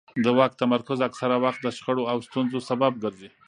د واک تمرکز اکثره وخت د شخړو او ستونزو سبب ګرځي